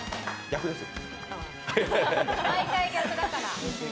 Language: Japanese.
毎回逆だから。